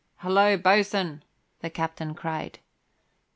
"Holla, boatswain," the captain cried.